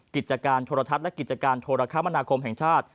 กิจการโทรทัศน์และกิจการโทรคมนาคมแห่งชาติ